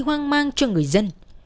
đi hoang mang cho người dân